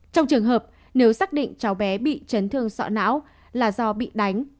trong trường hợp nếu xác định cháu bé bị chấn thương sọ não là do bị đánh